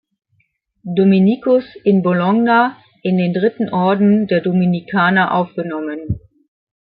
Dominikus in Bologna in den Dritten Orden der Dominikaner aufgenommen.